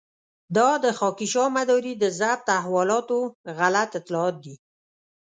دا د خاکيشاه مداري د ضبط حوالاتو غلط اطلاعات دي.